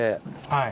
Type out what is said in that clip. はい。